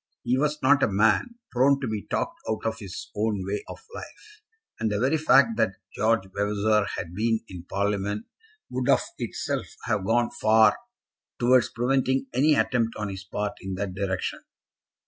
He was not a man prone to be talked out of his own way of life, and the very fact that George Vavasor had been in Parliament would of itself have gone far towards preventing any attempt on his part in that direction.